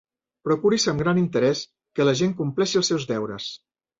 Procuris amb gran interès que la gent compleixi els seus deures.